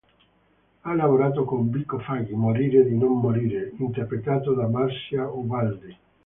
Ha elaborato con Vico Faggi “Morire di non morire”” interpretato da Marzia Ubaldi.